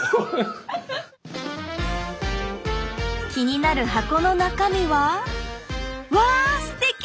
気になる箱の中身はわあ素敵！